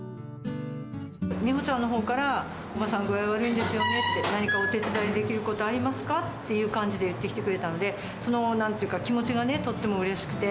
美帆ちゃんのほうから、おばさん具合悪いんですよねって、何かお手伝いできることありますかっていう感じで言ってきてくれたんで、その気持ちがとってもうれしくて。